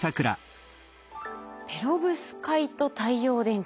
ペロブスカイト太陽電池。